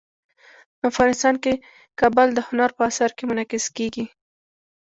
افغانستان کې کابل د هنر په اثار کې منعکس کېږي.